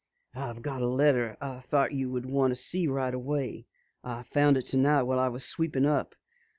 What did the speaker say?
I've got a letter I thought you would want to see right away. Found it tonight when I was sweeping up.